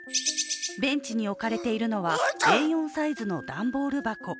ベンチに置かれているのはＡ４サイズの段ボール箱。